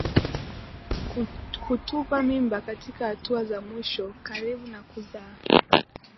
Kutupa mimba katika hatua za mwisho karibu na kuzaa